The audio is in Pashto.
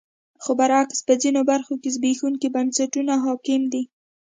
خو برعکس په ځینو برخو کې زبېښونکي بنسټونه حاکم دي.